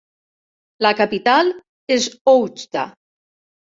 La capital és Oujda.